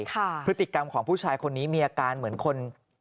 พฤติกรรมของผู้ชายคนนี้มีอาการเหมือนคน